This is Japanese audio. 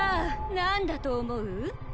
何だと思う？